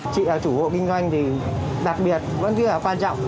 chị là chủ hộ kinh doanh thì đặc biệt vẫn rất là quan trọng